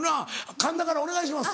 神田からお願いします。